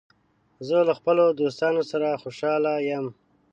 زه له خپلو دوستانو سره خوشاله یم.